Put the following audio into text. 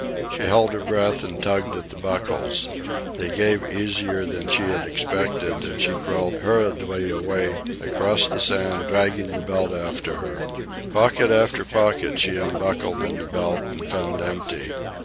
She held her breath and tugged at the buckles. They gave easier than she had expected, and she crawled hurriedly away across the sand, dragging the belt after her. Pocket after pocket she unbuckled in the belt and found empty.